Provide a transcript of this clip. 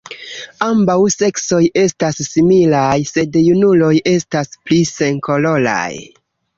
Ambaŭ seksoj estas similaj, sed junuloj estas pli senkoloraj.